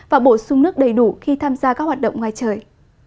và bổ sung nước đầy đủ khi tham gia các hoạt động ngoài trời